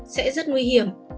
sẽ rất nguy hiểm